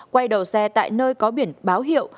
quay đầu xe tại nơi có biển báo hiệu